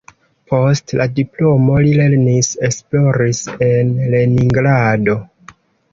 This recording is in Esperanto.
Post la diplomo li lernis-esploris en Leningrado.